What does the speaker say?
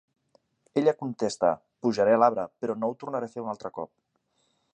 Ella contesta: "Pujaré a l"arbre, però no ho tornaré a fer un altre cop".